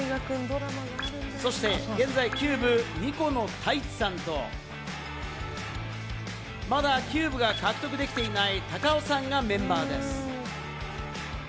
そして現在、キューブ２個のタイチさんとまだキューブが獲得できていないタカオさんがメンバーです。